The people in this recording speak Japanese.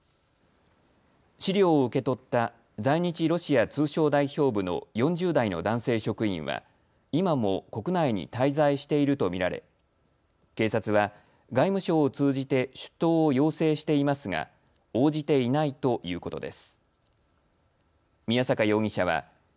資料を受け取った在日ロシア通商代表部の４０代の男性職員は今も国内に滞在していると見られ、警察は外務省を通じて出頭を要請していますが応じていないということです。